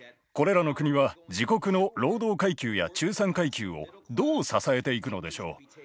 これらの国は自国の労働階級や中産階級をどう支えていくのでしょう。